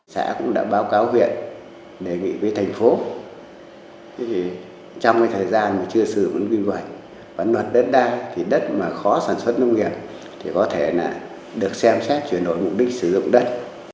xã cũng đã báo cáo huyện đề nghị với thành phố trong cái thời gian mà chưa xử vấn quyền quảnh quản luật đất đai thì đất mà khó sản xuất nông nghiệp thì có thể là được xem xét chuyển đổi mục đích sử dụng đất